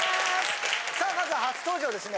さあまずは初登場ですね